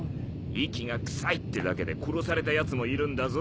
息が臭いってだけで殺されたやつもいるんだぞ。